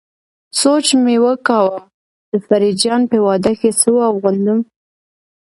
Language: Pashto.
سوچ مې کاوه د فريد جان په واده کې څه واغوندم.